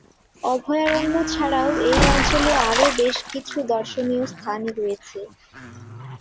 অভয়ারণ্য ছাড়াও এই অঞ্চলে আরো বেশ কিছু দর্শনীয় স্থান রয়েছে।